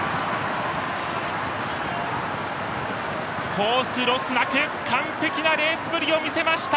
コースロスなく完璧なレースぶりを見せました！